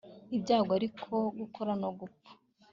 Ibyabo ariko gukora no gupfa